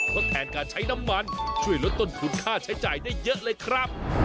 ทดแทนการใช้น้ำมันช่วยลดต้นทุนค่าใช้จ่ายได้เยอะเลยครับ